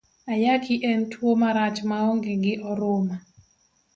Ayaki en tuo marach maonge gi oruma.